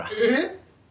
えっ！？